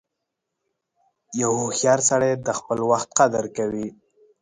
• یو هوښیار سړی د خپل وخت قدر کوي.